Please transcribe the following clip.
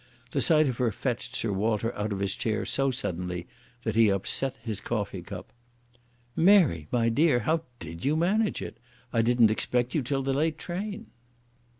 The sight of her fetched Sir Walter out of his chair so suddenly that he upset his coffee cup. "Mary, my dear, how did you manage it? I didn't expect you till the late train."